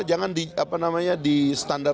jangan di standar standar